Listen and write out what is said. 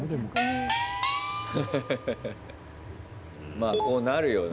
まあ、こうなるよな。